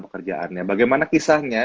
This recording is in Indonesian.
pekerjaannya bagaimana kisahnya